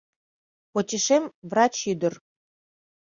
Почешем — врач ӱдыр.